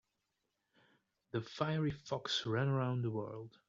The fiery fox ran around the world.